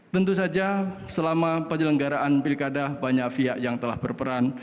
tentu saja selama penyelenggaraan pilkada banyak pihak yang telah berperan